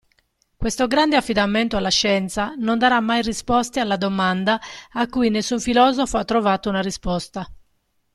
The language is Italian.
Questo grande affidamento alla scienza non darà mai risposte alla domanda a cui nessun filosofo a trovato una risposta.